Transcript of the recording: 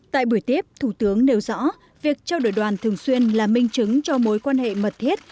tại buổi tiếp thủ tướng nêu rõ việc trao đổi đoàn thường xuyên là minh chứng cho mối quan hệ mật thiết